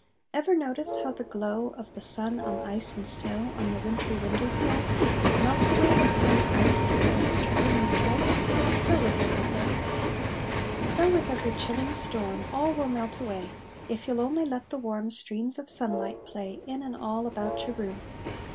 Ever notice how the glow Of the sun on ice and snow, On your wintry window sill, Melts away the snow and ice Sends it tripping in a trice? So with every ill! So with every chilling storm All will melt away If you ll only let the warm Streams of sunlight play In and all about your room.